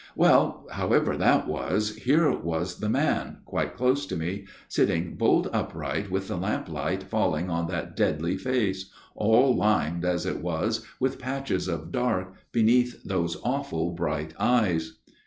" Well, however that was, here was the man, quite close to me, sitting bolt upright with the lamplight falling on that 4 ea( Uy face, all lined as it was, with patches of dark beneath those awful bright eyes."